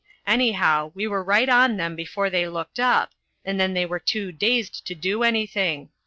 Anyhow, we were right on them before they looked up, and then they were too dazed to do anything.